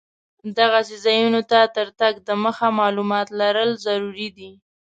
دغسې ځایونو ته تر تګ دمخه معلومات لرل ضرور دي.